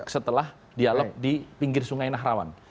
setelah dialog di pinggir sungai nahrawan